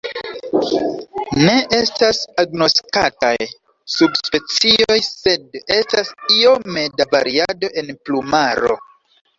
Ne estas agnoskataj subspecioj sed estas iome da variado en plumaro.